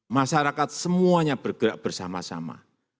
masyarakat semuanya bergerak bersama sama